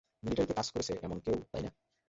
মিলিটারিতে কাজ করেছে এমন কেউ, তাই না?